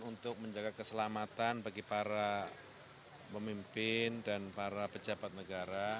untuk menjaga keselamatan bagi para pemimpin dan para pejabat negara